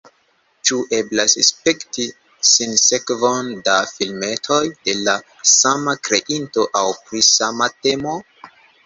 Ĉu eblas spekti sinsekvon da filmetoj de la sama kreinto aŭ pri sama temo?